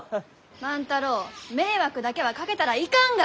万太郎迷惑だけはかけたらいかんが！